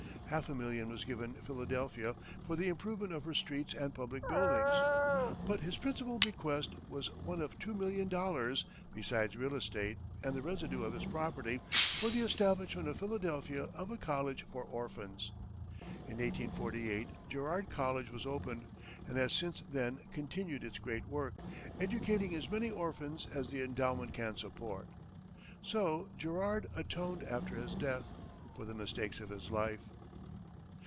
Half a million was given Philadelphia for the improvement of her streets and public buildings; but his principal bequest was one of $2,000,000, besides real estate, and the residue of his property, for the establishment at Philadelphia of a college for orphans. In 1848, Girard College was opened, and has since then continued its great work, educating as many orphans as the endowment can support. So Girard atoned after his death, for the mistakes of his life.